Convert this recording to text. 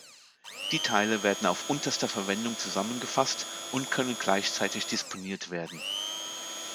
Die Teile werden auf unterster Verwendung zusammengefasst und können gleichzeitig disponiert werden.